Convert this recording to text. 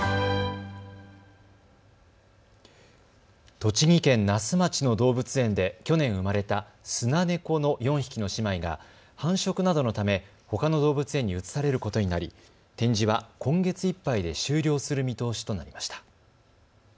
栃木県那須町の動物園で去年生まれたスナネコの４匹の姉妹が繁殖などのため、ほかの動物園に移されることになり展示は今月いっぱいで終了する見通しとなりました。